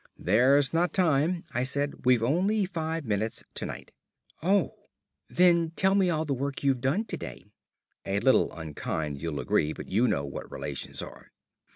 "There's not time," I said. "We've only five minutes to night." "Oh! Then tell me all the work you've done to day." (A little unkind, you'll agree, but you know what relations are.)